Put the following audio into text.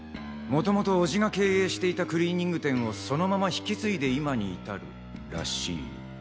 もともと伯父が経営していたクリーニング店をそのまま引き継いで今に至るらしい。